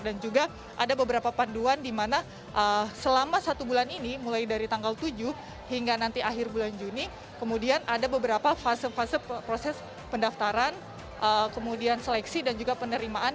dan juga ada beberapa panduan di mana selama satu bulan ini mulai dari tanggal tujuh hingga nanti akhir bulan juni kemudian ada beberapa fase fase proses pendaftaran kemudian seleksi dan juga penerimaan